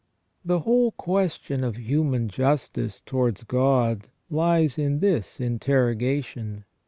The whole question of human justice towards God lies in this interrogation.